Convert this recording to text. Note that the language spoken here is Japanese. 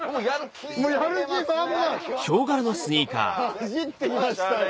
走って来ました！